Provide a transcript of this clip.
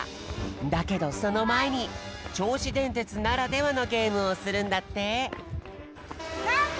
だけどそのまえにちょうしでんてつならではのゲームをするんだって。